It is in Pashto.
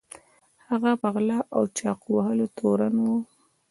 هغه په غلا او چاقو وهلو تورن و.